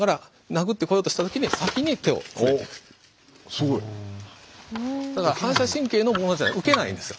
すごい！だから反射神経の問題じゃなく受けないんですよ。